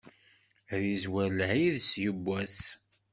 Ad izwer lɛid s yibbwas.